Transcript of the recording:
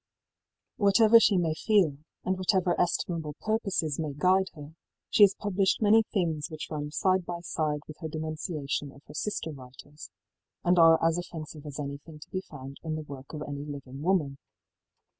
Whatever she may feel, and whatever estimable purposes may guide her, she has published many things which run side by side with her denunciation of her sister writers, and are as offensive as anything to be found in the work of any living woman.